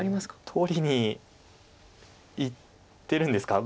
取りにいってるんですか？